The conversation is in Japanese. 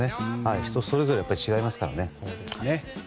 人それぞれ違いますからね。